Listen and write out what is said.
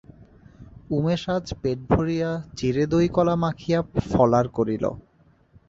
উমেশ আজ পেট ভরিয়া চিঁড়ে দই কলা মাখিয়া ফলার করিল।